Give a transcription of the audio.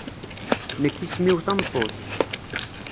Nekk isem-iw tameṭṭut.